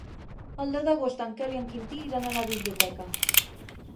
El deu d'agost en Quel i en Quintí iran a la biblioteca.